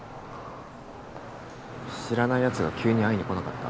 知らないやつが急に会いにこなかった？